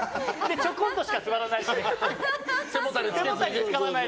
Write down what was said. ちょこんとしか使わない。